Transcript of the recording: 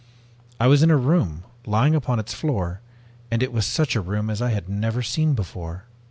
I was in a room, lying upon its floor, and it was such a room as I had never seen before.